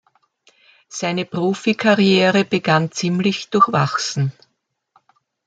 Seine Profikarriere begann ziemlich durchwachsen.